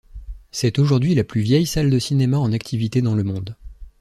C'est aujourd'hui la plus vieille salle de cinéma en activité dans le monde.